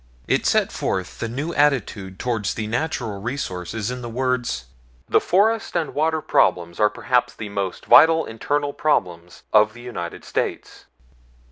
It set forth the new attitude toward the natural resources in the words: "The Forest and water problems are perhaps the most vital internal problems of the United States."